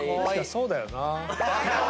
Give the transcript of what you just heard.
そうだよな。